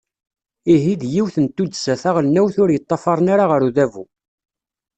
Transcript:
Ihi, d yiwet n tuddsa taɣelnawt ur yeṭṭafaren ara ɣer udabu.